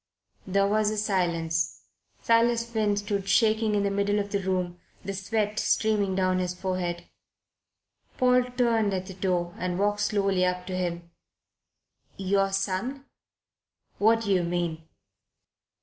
There was a silence. Silas Finn stood shaking in the middle of the room, the sweat streaming down his forehead. Paul turned at the door and walked slowly up to him. "Your son? What do you mean?"